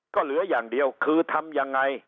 ก็เหลืออย่างเดียวคือทำยังไง